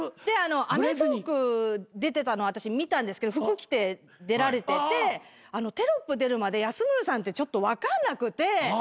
で『アメトーーク！』出てたの私見たんですけど服着て出られててテロップ出るまで安村さんって分かんなくて。